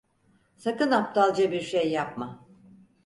Sakın aptalca bir şey yapma.